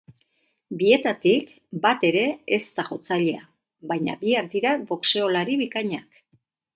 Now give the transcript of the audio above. Bietatik bat ere ez da jotzailea, baina biak dira boxeolari bikainak.